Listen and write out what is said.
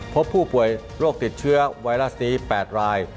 พบผู้ป่วยโรคติดเชื้อไวรัสนี้๘ราย